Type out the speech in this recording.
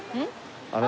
あれ。